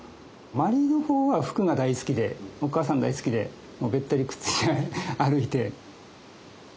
まりの方はふくが大好きでお母さん大好きでべったりくっついて歩いて。